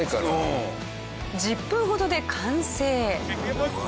１０分ほどで完成！